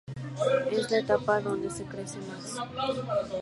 Es la etapa donde se crece más.